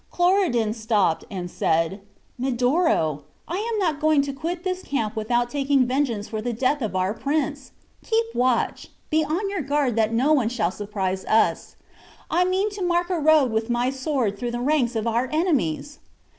Cloridan stopped, and said, "Medoro, I am not going to quit this camp without taking vengeance for the death of our prince. Keep watch, be on your guard that no one shall surprise us; I mean to mark a road with my sword through the ranks of our enemies."